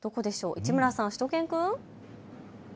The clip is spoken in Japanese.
市村さん、しゅと犬くん。